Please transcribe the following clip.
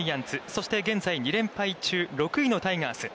そして現在２連敗中、６位のタイガース。